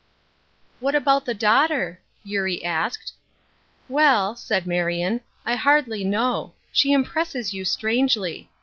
" What about the daughter ?" Eurie asked. " Well," said Marion, '' I hardly know ; she impresses you strangely.